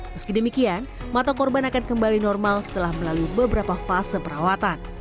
meski demikian mata korban akan kembali normal setelah melalui beberapa fase perawatan